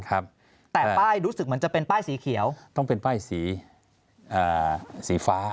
แต่ป้ายรู้สึกเหมือนจะเป็นป้ายสีเขียวต้องเป็นป้ายสีสีฟ้า